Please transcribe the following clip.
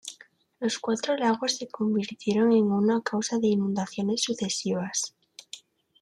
Los cuatro lagos se convirtieron en uno a causa de inundaciones sucesivas.